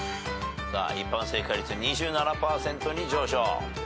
一般正解率２７％に上昇。